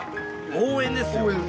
応援ですよ。